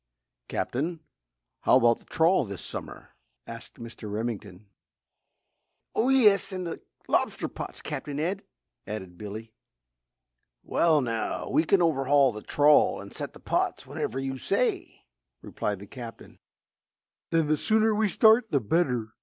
"Captain, how about the trawl this summer?" asked Mr. Remington. "Oh, yes and the lobster pots, Captain Ed?" added Billy. "Well, now, we kin overhaul the trawl and set the pots whenever you say," replied the Captain. "Then the sooner we start the better!"